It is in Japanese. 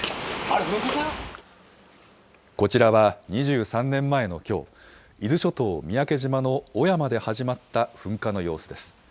こちらは２３年前のきょう、伊豆諸島・三宅島の雄山で始まった噴火の様子です。